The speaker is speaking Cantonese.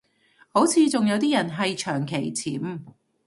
好似仲有啲人係長期潛